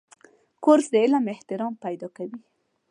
کورس د علم احترام پیدا کوي.